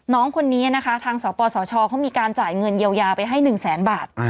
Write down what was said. น้องคนนี้นะคะทางสปสชเขามีการจ่ายเงินเยียวยาไปให้๑แสนบาท